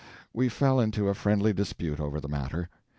We fell into a friendly dispute over the matter.